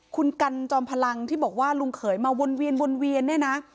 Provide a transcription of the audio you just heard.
คุณกันจอมพลังที่บอกว่าลุงเขยมาวนเวียนวนเวียนเนี่ยนะ